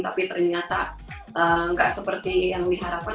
tapi ternyata nggak seperti yang diharapkan